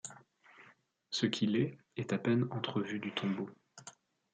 Ce qu’Il est, est à peine entrevu du tombeau.